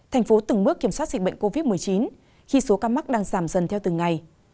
thành phố từng bước kiểm soát dịch bệnh covid một mươi chín khi số ca mắc đang giảm dần theo từng ngày